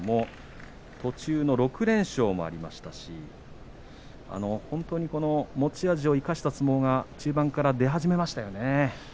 途中の６連勝がありましたし本当に持ち味を生かした相撲が中盤から出始めましたよね。